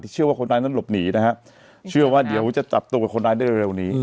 เชื่อว่าคนร้ายนั้นหลบหนีนะฮะเชื่อว่าเดี๋ยวจะจับตัวคนร้ายได้เร็วนี้